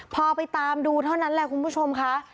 พอไปตามดูเท่านั้นแหละคุณผู้ชมค่ะ